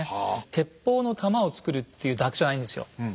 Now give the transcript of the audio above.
鉄砲の玉をつくるっていうだけじゃないんですよ。